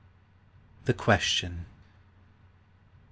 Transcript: THE QUESTION. i.